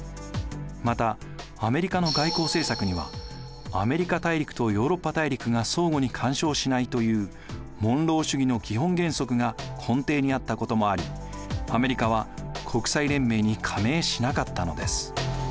またアメリカの外交政策にはアメリカ大陸とヨーロッパ大陸が相互に干渉しないというモンロー主義の基本原則が根底にあったこともありアメリカは国際連盟に加盟しなかったのです。